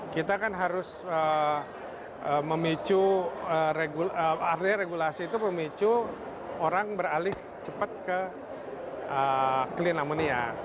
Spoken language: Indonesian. kita kan harus memicu artinya regulasi itu memicu orang beralih cepat ke clean amonia